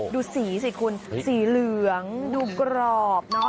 ดูสีสิคุณสีเหลืองดูกรอบเนอะ